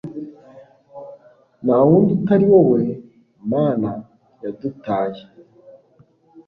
nta wundi utari wowe, mana yadutaye